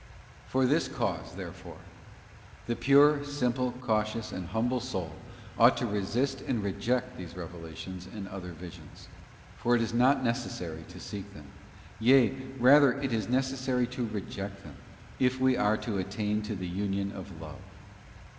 For this cause, therefore, the pure, simple, cautious, and humble soul ought to resist and reject these revelations and other visions ; for it is not necessary to seek them, yea rather it is necessary to reject them, if we are to attain to the Union of Love.